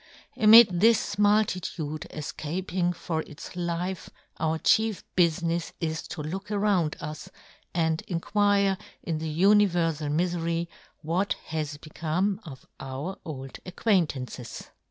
Amid this muhitude efcaping for its Hfe our chief bufinefs is to look around us, and inquire, in the uni verfal mifery, what has become of our old acquaintances.